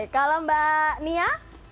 kalau mbak nia